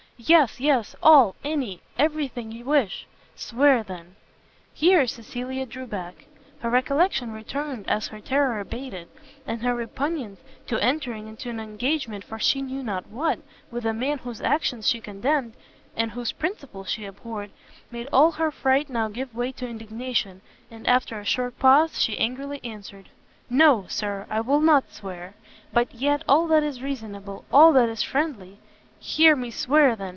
"Yes, yes! all any every thing you wish!" "Swear, then!" Here Cecilia drew back; her recollection returned as her terror abated, and her repugnance to entering into an engagement for she knew not what, with a man whose actions she condemned, and whose principles she abhorred, made all her fright now give way to indignation, and, after a short pause, she angrily answered, "No, Sir, I will not swear! but yet, all that is reasonable, all that is friendly " "Hear me swear, then!"